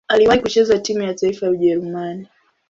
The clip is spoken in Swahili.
Aliwahi kucheza timu ya taifa ya Ujerumani.